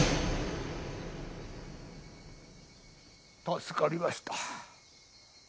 助かりました。